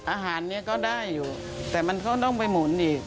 อาหารนี้ก็ได้อยู่แต่มันก็ต้องไปหมุนอีก